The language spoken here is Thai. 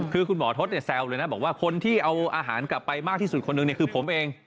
คือคุณหมอทศแซวเลยนะบอกว่าคนที่เอาอาหารกลับไปมากที่สุดคนหนึ่งคือผมเอง